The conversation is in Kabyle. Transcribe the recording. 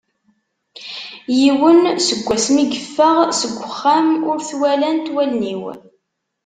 Yiwen, seg wass mi yeffeɣ seg uxxam ur t-walant wallen-iw.